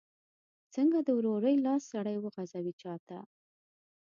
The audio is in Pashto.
څنګه د ورورۍ لاس سړی وغځوي چاته؟